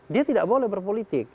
dia tidak boleh berpolitik